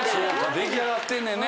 出来上がってんねやね。